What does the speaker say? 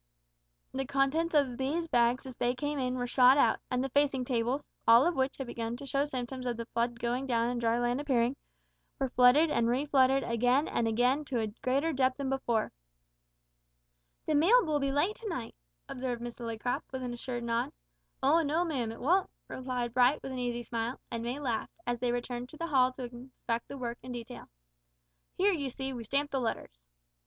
The contents of these bags as they came in were shot out, and the facing tables all of which had begun to show symptoms of the flood going down and dry land appearing were flooded and reflooded again and again to a greater depth than before. "The mail will be late to night," observed Miss Lillycrop, with an assured nod. "O no, ma'am, it won't," replied Bright, with an easy smile, and May laughed as they returned to the hall to inspect the work in detail. "Here, you see, we stamp the letters."